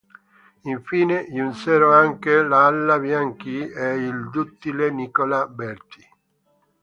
Infine, giunsero anche l'ala Bianchi e il duttile Nicola Berti.